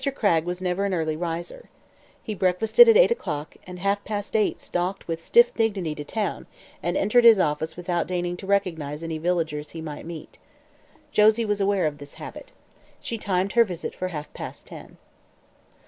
Cragg was never an early riser. He breakfasted at eight o'clock and at half past eight stalked with stiff dignity to town and entered his office without deigning to recognize any villagers he might meet. Josie was aware of this habit. She timed her visit for half past ten.